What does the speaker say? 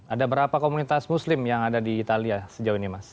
ada berapa komunitas muslim yang ada di italia sejauh ini mas